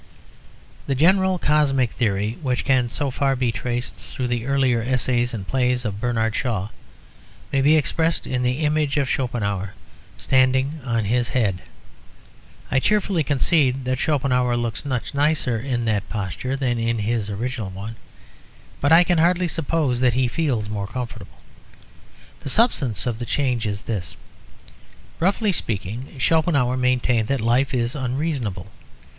The general cosmic theory which can so far be traced through the earlier essays and plays of Bernard Shaw may be expressed in the image of Schopenhauer standing on his head. I cheerfully concede that Schopenhauer looks much nicer in that posture than in his original one, but I can hardly suppose that he feels more comfortable. The substance of the change is this. Roughly speaking, Schopenhauer maintained that life is unreasonable.